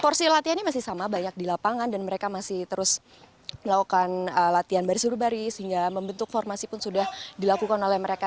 porsi latihannya masih sama banyak di lapangan dan mereka masih terus melakukan latihan baris uru baris sehingga membentuk formasi pun sudah dilakukan oleh mereka